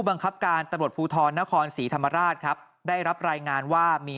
บังคับการตำรวจภูทรนครศรีธรรมราชครับได้รับรายงานว่ามี